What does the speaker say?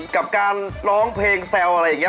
กับการร้องเพลงแซวอะไรอย่างนี้